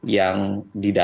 yang di dalam perusahaan